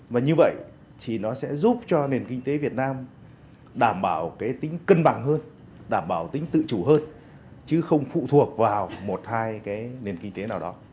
và như vậy thì nó sẽ giúp cho nền kinh tế việt nam đảm bảo cái tính cân bằng hơn đảm bảo tính tự chủ hơn chứ không phụ thuộc vào một hai cái nền kinh tế nào đó